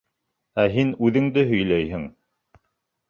Ә һин үҙеңде һөйләйһең!